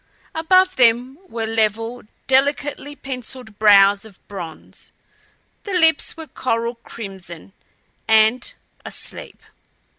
Above them were level, delicately penciled brows of bronze. The lips were coral crimson and asleep.